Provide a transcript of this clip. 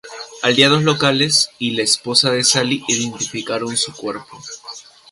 Aldeanos locales Y la esposa de Sali identificaron su cuerpo.